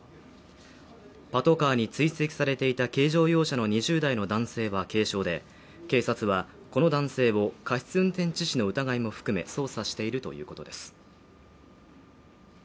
パトカーに追跡されていた軽乗用車の２０代の男性は軽傷で、警察はこの男性を過失運転致死の疑いも含め捜査しているということです。